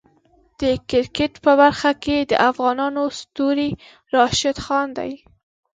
د کرکټ په برخه کې د افغانو ستوری راشد خان دی.